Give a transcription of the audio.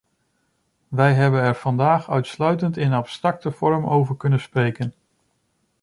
Wij hebben er vandaag uitsluitend in abstracte vorm over kunnen spreken.